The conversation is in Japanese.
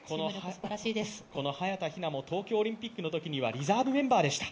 この早田ひなも東京オリンピックのときにはリザーブメンバーでした。